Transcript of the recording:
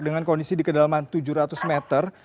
dengan kondisi di kedalaman tujuh ratus meter